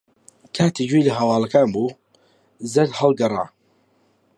کاتێک گوێی لە ھەواڵەکە بوو، زەرد ھەڵگەڕا.